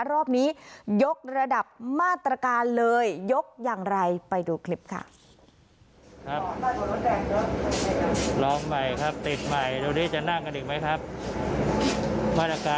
รอบนี้ยกระดับมาตรการเลยยกอย่างไรไปดูคลิปค่ะ